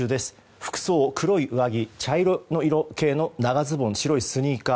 服装は黒い上着茶色系の長ズボン白のスニーカー。